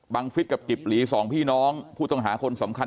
ฟิศกับกิบหลีสองพี่น้องผู้ต้องหาคนสำคัญ